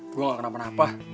gue gak kenapa napa